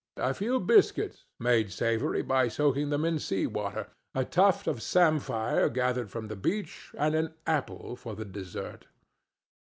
A few biscuits made savory by soaking them in sea water, a tuft of samphire gathered from the beach, and an apple for the dessert.